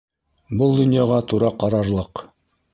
Был донъяға тура ҡарарлыҡ.